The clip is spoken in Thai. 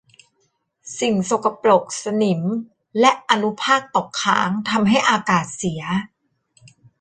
สิ่งสกปรกสนิมและอนุภาคตกค้างทำให้อากาศเสีย